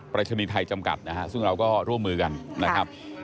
รัชนีไทยจำกัดนะฮะซึ่งเราก็ร่วมมือกันนะครับ